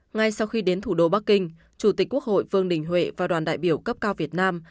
ngay sau khi đến thủ đô bắc kinh chủ tịch quốc hội vương đình huệ và đoàn đại biểu cấp cao việt nam